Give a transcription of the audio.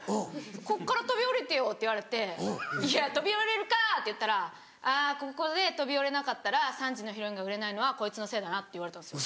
「こっから飛び降りてよ」って言われて「いや飛び降りれるか！」って言ったら「ここで飛び降りれなかったら３時のヒロインが売れないのはこいつのせいだな」って言われたんですよ。